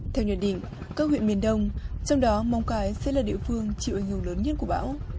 theo nhận định các huyện miền đông trong đó mong cái sẽ là địa phương chịu ảnh hưởng lớn nhất của bão